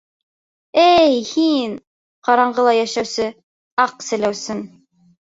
— Эй, һин, ҡараңғыла йәшәүсе аҡ селәүсен!